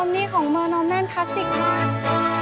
นี่ของเมอร์โนแมนคลาสสิกมาก